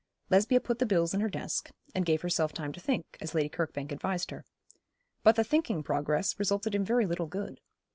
Lesbia put the bills in her desk, and gave herself time to think, as Lady Kirkbank advised her. But the thinking progress resulted in very little good.